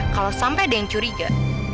kalau sampai ada yang curiga